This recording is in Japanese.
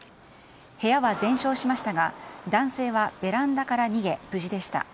部屋は全焼しましたが男性はベランダから逃げ無事でした。